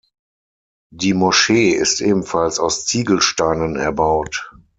Die Moschee ist ebenfalls aus Ziegelsteinen erbaut.